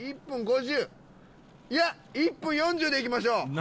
１分５０いや１分４０でいきましょう！